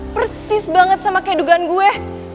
persis banget sama kedugaan gue